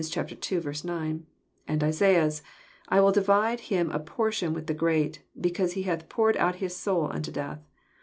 9;) and Isaiah's, "I will divide Him a portion with the great, because He hath poured out His soul unto death."